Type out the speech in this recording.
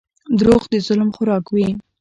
• دروغ د ظلم خوراک وي.